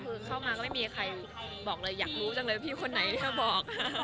คือเข้ามาก็ไม่มีใครบอกเลยอยากรู้จังเลยว่าพี่คนไหนจะบอก